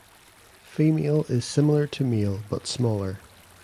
Female is similar to male but smaller.